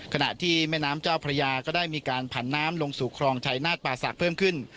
ขณะที่แม่น้ำเจ้าพระยาก็ได้มีการผันน้ำลงสู่คลองชายนาฏป่าศักดิ์เพิ่มขึ้น